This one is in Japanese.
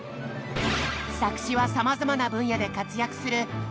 作詞はさまざまな分野で活躍する劇団ひとりさん。